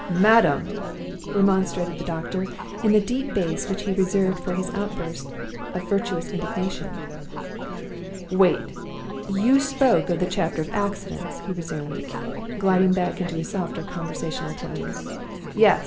"Madam!" remonstrated the doctor, in the deep bass which he reserved for his outbursts of virtuous indignation. "Wait! you spoke of the chapter of accidents," he resumed, gliding back into his softer conversational tones. "Yes!